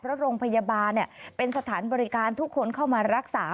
เพราะโรงพยาบาลเป็นสถานบริการทุกคนเข้ามารักษา